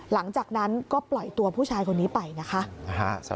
หลังจากนั้นก็ปล่อยตัวผู้ชายคนนี้ไปนะคะ